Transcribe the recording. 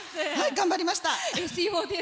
頑張りました。